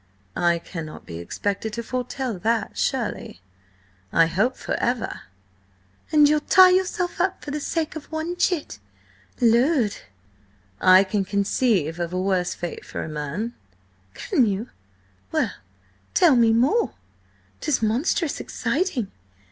"I cannot be expected to foretell that, surely? I hope, for ever." "And you'll tie yourself up for the sake of one chit? Lud!" "I can conceive a worse fate for a man." "Can you? Well, tell me more! 'Tis monstrous exciting.